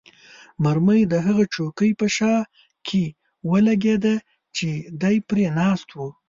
مرمۍ د هغه چوکۍ په شا کې ولګېده چې دی پرې ناست وو.